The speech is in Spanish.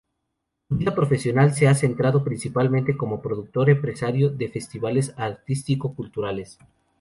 Su vida profesional se ha centrado principalmente como productor-empresario de festivales artísticos y culturales.